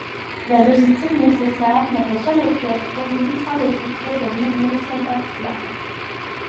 La logistique nécessaire n'aurait jamais pu être fournie sans le soutien d'un milieu sympathisant.